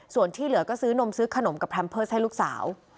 ส่วนที่เหลือก็ซื้อนมซื้อขนมกับแพมเพิร์สให้ลูกสาว